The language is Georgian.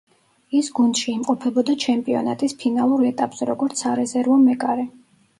ის გუნდში იმყოფებოდა ჩემპიონატის ფინალურ ეტაპზე, როგორც სარეზერვო მეკარე.